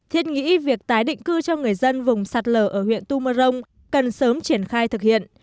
thuyết nghĩ việc tái định cư cho người dân vùng sạt lở ở huyện tu mơ rông cần sớm triển khai thực hiện